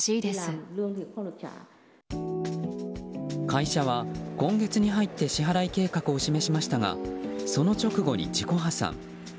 会社は今月に入って支払い計画を示しましたがその直後に自己破産。